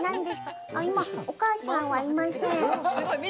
今お母さんはいません。